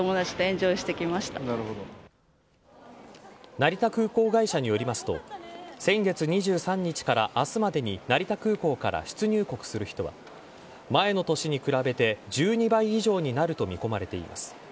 成田空港会社によりますと先月２３日から明日までに成田空港から出入国する人は前の年に比べて１２倍以上になると見込まれています。